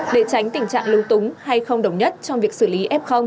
để tránh tình trạng lưu túng hay không đồng nhất trong việc xử lý f